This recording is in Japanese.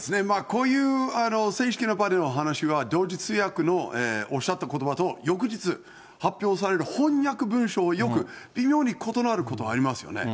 こういう正式な場での話は同時通訳のおっしゃったことばと翌日、発表される翻訳文書と微妙に異なることありますよね。